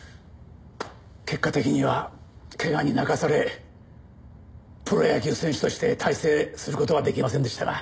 結果的には怪我に泣かされプロ野球選手として大成する事は出来ませんでしたが。